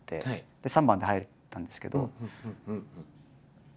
で３番で入れたんですけど。